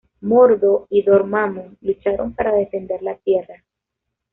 Mordo y Dormammu lucharon para defender la Tierra.